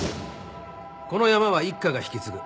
このヤマは一課が引き継ぐ。